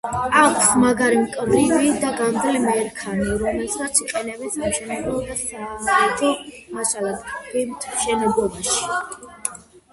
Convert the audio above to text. აქვს მაგარი, მკვრივი და გამძლე მერქანი, რომელსაც იყენებენ სამშენებლო და საავეჯო მასალად, გემთმშენებლობაში.